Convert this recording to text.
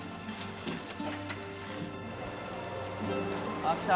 あっきた。